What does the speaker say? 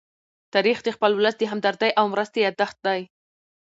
تاریخ د خپل ولس د همدردۍ او مرستې يادښت دی.